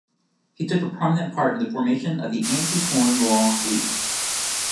He took a prominent part in the formation of the Anti-Corn Law League.